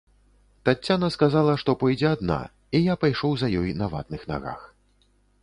Таццяна сказала, што пойдзе адна, і я пайшоў за ёй на ватных нагах.